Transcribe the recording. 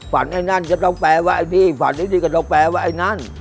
ฝันไอ้นั่นก็ต้องแปรไว้ไอ้นี่ฝันไอ้นี่ก็ต้องแปรไว้ไอ้นั่น